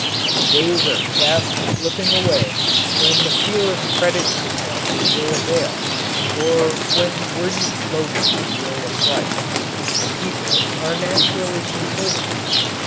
The days are fast slipping away when the fear of credit curtailment will avail, or when wordy slogans will affright. The people are naturally conservative.